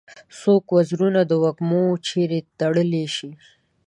څوک وزرونه د وږمو چیري تړلای شي؟